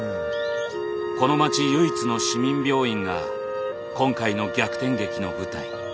この町唯一の市民病院が今回の逆転劇の舞台。